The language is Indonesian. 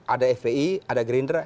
ada fpi ada gerindra